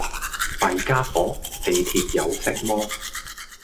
弊傢伙，地鐵有色魔